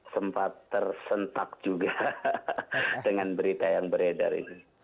sempat tersentak juga dengan berita yang beredar ini